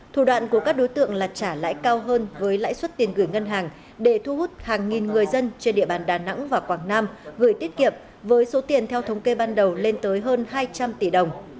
thủ đoạn của các đối tượng là trả lãi cao hơn với lãi suất tiền gửi ngân hàng để thu hút hàng nghìn người dân trên địa bàn đà nẵng và quảng nam gửi tiết kiệm với số tiền theo thống kê ban đầu lên tới hơn hai trăm linh tỷ đồng